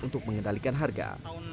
untuk mengendalikan harga